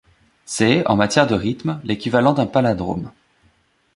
C'est, en matière de rythme, l'équivalent d'un palindrome.